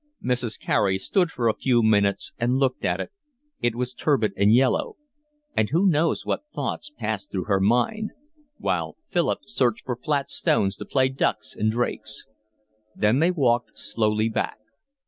Mrs. Carey stood for a few minutes and looked at it, it was turbid and yellow, [and who knows what thoughts passed through her mind?] while Philip searched for flat stones to play ducks and drakes. Then they walked slowly back.